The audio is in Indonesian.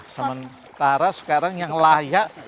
sementara sekarang yang layak